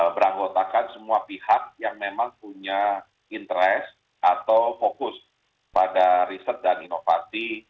beranggotakan semua pihak yang memang punya interest atau fokus pada riset dan inovasi